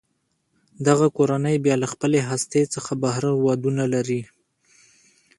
دغه کورنۍ بیا له خپلې هستې څخه بهر ودونه لري.